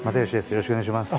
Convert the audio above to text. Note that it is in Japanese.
よろしくお願いします。